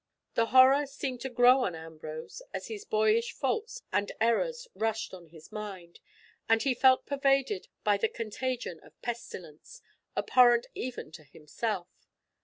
The horror seemed to grow on Ambrose, as his boyish faults and errors rushed on his mind, and he felt pervaded by the contagion of the pestilence, abhorrent even to himself.